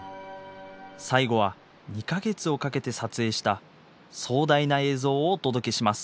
最後は２か月をかけて撮影した壮大な映像をお届けします。